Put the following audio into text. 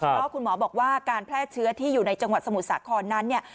เพราะคุณหมอบอกว่าการแพร่เชื้อที่อยู่ในจังหวัดสมุทรสาครนั้นเนี่ย